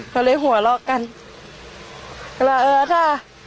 เขาเร็วนี่แหละ